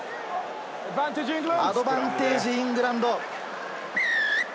アドバンテージ、イングランド。